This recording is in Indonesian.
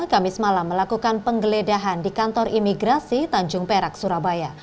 kamis malam melakukan penggeledahan di kantor imigrasi tanjung perak surabaya